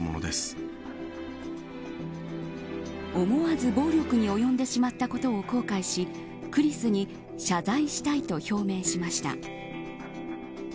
思わず暴力に及んでしまったことを後悔しクリスに謝罪したいと表明しました。